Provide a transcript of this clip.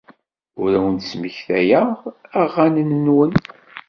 Ur awen-d-smektayeɣ aɣanen-nwen.